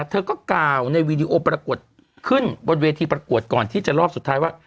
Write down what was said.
เธอก็กล่าวในวีดีโอประกวดขึ้นบนเวทีประกวดก่อนที่จะรอบสุดท้ายว่า